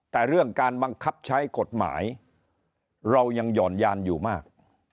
แต่เรื่องการบังคับใช้กฎหมายเรายังหย่อนยานอยู่มาก